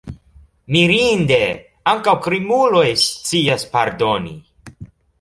Mirinde, ankaŭ krimuloj scias pardoni!